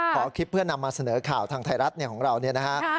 ขอคลิปเพื่อนำมาเสนอข่าวทางไทยรัฐของเราเนี่ยนะฮะ